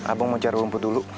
abang mau cari rumput dulu